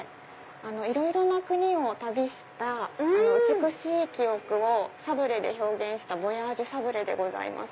いろいろな国を旅した美しい記憶をサブレで表現したヴォヤージュサブレでございます。